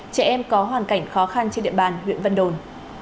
trẻ em có hoàn cảnh khó khăn trên địa bàn huyện vân đồn